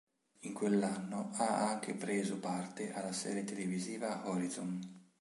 In quell'anno ha anche preso parte alla serie televisiva "Horizon".